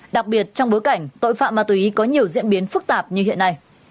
đặc biệt trong bối cảnh tội phạm ma túy có nhiều diễn biến phức tạp như hiện nay